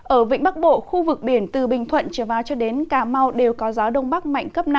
ở vịnh bắc bộ khu vực biển từ bình thuận trở vào cho đến cà mau đều có gió đông bắc mạnh cấp năm